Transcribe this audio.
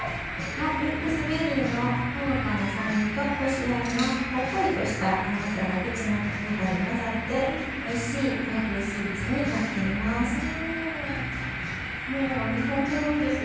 ミックスベリーのほのかな酸味とこしあんのほっこりとした甘さが口の中で混ざって、おいしい和風スイーツになっています。